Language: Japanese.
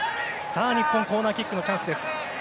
日本コーナーキックのチャンス。